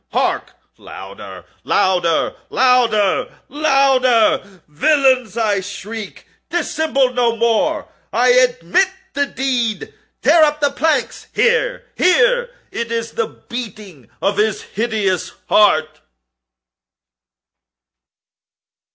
—hark! louder! louder! louder! louder! "Villains!" I shrieked, "dissemble no more! I admit the deed!—tear up the planks!—here, here!—It is the beating of his hideous heart!"